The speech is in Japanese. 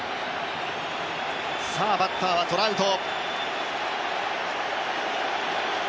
バッターはトラウト。